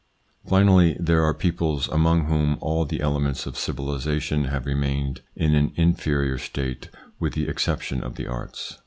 Finally, there are peoples among whom all the lents of civilisation have remained in an inferior state with the exception of the arts.